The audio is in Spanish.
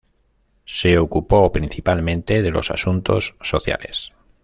Se ocupó principalmente de los asuntos sociales.